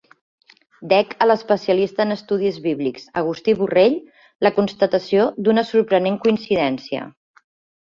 Dec a l'especialista en estudis bíblics Agustí Borrell la constatació d'una sorprenent coincidència.